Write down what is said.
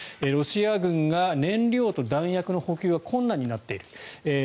ロシア軍が燃料と弾薬の補給が困難になっている。